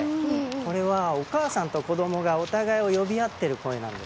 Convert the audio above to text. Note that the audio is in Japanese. これはお母さんと子どもがお互いを呼び合ってる声なんです。